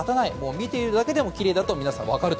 見ているだけでもきれいだと皆さん分かる。